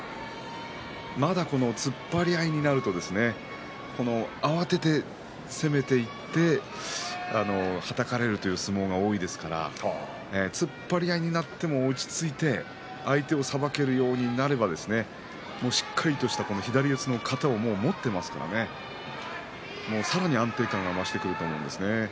まだ突っ張り合いになると慌てて攻めていってはたかれるという相撲が多いですから突っ張り合いになっても落ち着いて相手をさばけるようになればしっかりした左四つの型を持ってますからねさらに安定感が増してくると思うんですね。